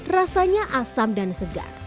rasanya asam dan segar